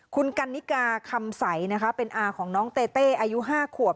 คุณกันนิกาคำใสนะคะเป็นอาของน้องเตเต้อายุ๕ขวบ